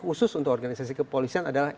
khusus untuk organisasi kepolisian adalah